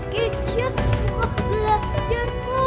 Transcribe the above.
kezia suka belajar bu